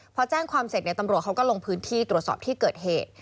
พอแจ้งความเสร็จตำรวจเขาก็ลงพื้นที่ตรวจสอบที่เกิดเหตุ